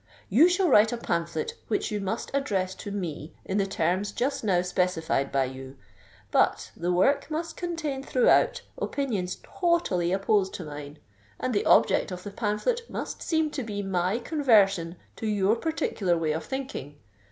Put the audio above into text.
You shall write a pamphlet which you must address to me in the terms just now specified by you; but the work must contain throughout opinions totally opposed to mine, and the object of the pamphlet must seem to be my conversion to your particular way of thinking.